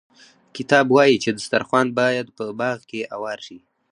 کتاب وايي چې دسترخوان باید په باغ کې اوار شي.